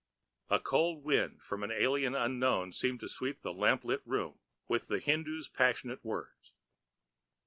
A cold wind from the alien unknown seemed to sweep the lamplit room with the Hindoo's passionate words.